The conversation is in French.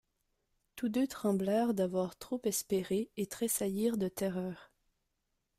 Tous deux tremblèrent d'avoir trop espéré et tressaillirent de terreur.